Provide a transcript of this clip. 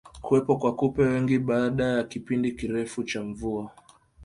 Kuwepo kwa kupe wengi baada ya kipindi kirefu cha mvua